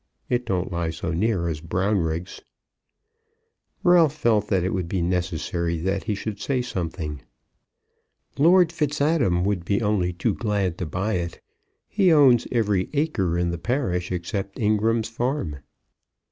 It don't lie so near as Brownriggs." Ralph felt that it would be necessary that he should say something. "Lord Fitzadam would be only too glad to buy it. He owns every acre in the parish except Ingram's farm."